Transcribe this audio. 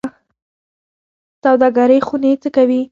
سوداګرۍ خونې څه کوي؟